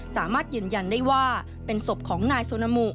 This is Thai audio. สามารถยืนยันได้ว่าเป็นศพของนายซูนามู